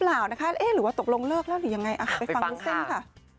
หรือว่าตกลงเลิกแล้วหรือยังไงไปฟังวุ้นเส้น